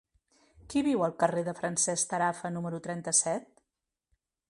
Qui viu al carrer de Francesc Tarafa número trenta-set?